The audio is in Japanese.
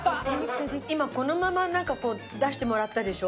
今このまま出してもらったでしょ。